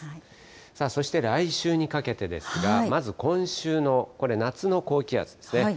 さあ、そして来週にかけてですが、まず今週の、これ、夏の高気圧ですね。